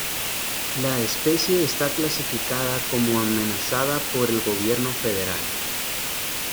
La especie está clasificada como amenazada por el gobierno federal.